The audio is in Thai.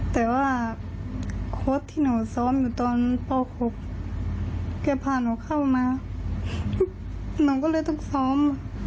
แต่ว่าโค้ดที่หนูซ้อมอยู่ตอนป๖แกพาหนูเข้ามาหนูก็เลยต้องซ้อม